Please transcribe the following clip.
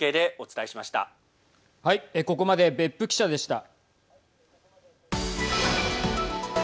ここまで別府記者でした。